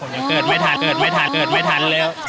ไม่ทัน